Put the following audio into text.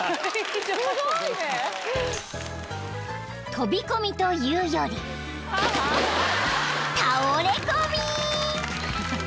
［飛び込みというより倒れ込み！］